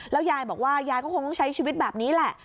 แล้วยายบอกว่ายายก็คงใช้ชีวิตแบบนี้แหละ